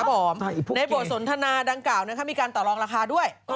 ครับผมในโดยสนธนาดังกล่าวมีการตอลองราคาด้วย